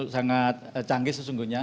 sangat canggih sesungguhnya